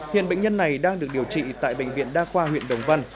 hiện bệnh nhân này đang được điều trị tại bệnh viện đa khoa huyện đồng văn